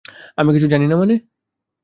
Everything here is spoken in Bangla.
আমি কিছু জানি না মানে?